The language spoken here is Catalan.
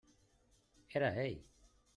Era ell!